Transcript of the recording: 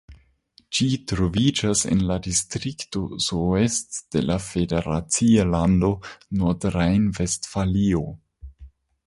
Ĝi troviĝas en la distrikto Soest de la federacia lando Nordrejn-Vestfalio.